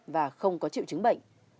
và không có triệu chứng bệnh